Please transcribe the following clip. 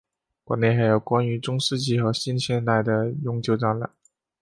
馆内还有关于中世纪和近现代的永久展览。